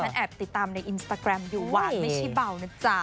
แอบติดตามในอินสตาแกรมอยู่ว่าไม่ใช่เบานะจ๊ะ